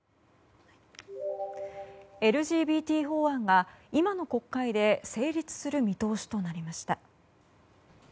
ＬＧＢＴ法案が今の国会で成立する見通しとなりました。